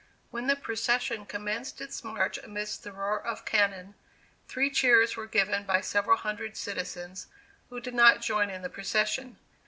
"When the procession commenced its march amidst the roar of cannon, three cheers were given by several hundred citizens who did not join in the procession.